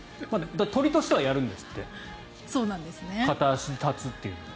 鳥としてはやるんですって片足で立つというのは。